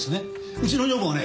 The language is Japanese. うちの女房がね